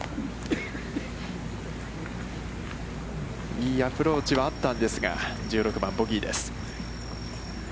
いいアプローチはあったんですが、１６番ボギーです。